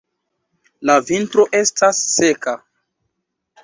La vintro estas seka.